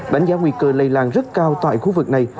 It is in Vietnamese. đánh giá nguy cơ lây lan rất cao tại khu vực này